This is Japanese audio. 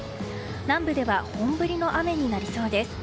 南部では本降りの雨になりそうです。